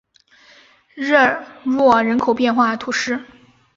热诺人口变化图示